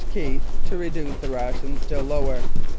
Keith to reduce the rations still lower.